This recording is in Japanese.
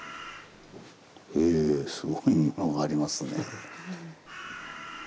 へえすごいものがありますね。